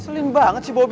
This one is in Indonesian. selim banget sih bobby